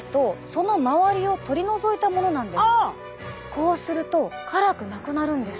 こうすると辛くなくなるんです。